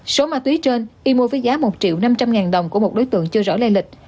số ma túy trên y mua với giá một triệu năm trăm linh ngàn đồng của một đối tượng chưa rõ lây lịch